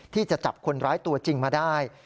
ที่จะจับคนร้ายตัวจริงมาได้